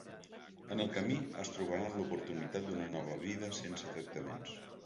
En el camí es trobaran l’oportunitat d’una nova vida sense tractaments.